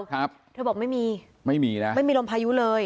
ครับเธอบอกไม่มีไม่มีนะไม่มีลมพายุเลย